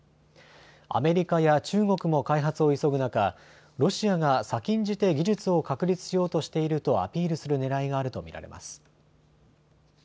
アメリカや中国も開発を急ぐ中、ロシアが先んじて技術を確立しようとしているとアピールするねらいがあると見られます。